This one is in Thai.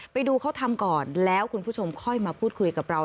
ไปดูเขาทำก่อนแล้วคุณผู้ชมค่อยมาพูดคุยกับเรา